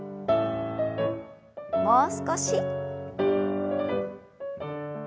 もう少し。